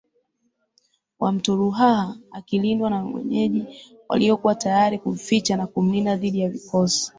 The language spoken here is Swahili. wa mto Ruaha akilindwa na wenyeji waliokuwa tayari kumficha na kumlinda dhidi ya vikosi